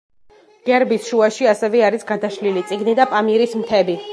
გერბის შუაში ასევე არის გადაშლილი წიგნი და პამირის მთები.